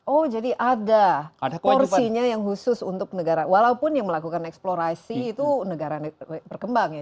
oh jadi ada porsinya yang khusus untuk negara walaupun yang melakukan eksplorasi itu negara berkembang ya